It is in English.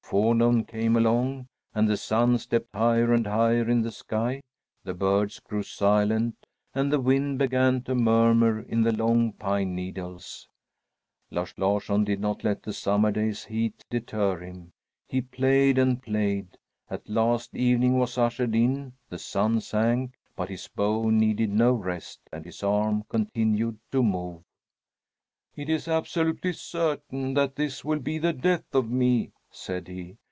Forenoon came along, and the sun stepped higher and higher in the sky. The birds grew silent, and the wind began to murmur in the long pine needles. Lars Larsson did not let the summer day's heat deter him. He played and played. At last evening was ushered in, the sun sank, but his bow needed no rest, and his arm continued to move. "It is absolutely certain that this will be the death of me!" said he.